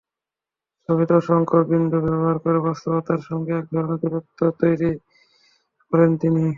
ছবিতে অসংখ্য বিন্দু ব্যবহার করে বাস্তবতার সঙ্গে একধরনের দূরত্ব তৈরি করেন তিনি।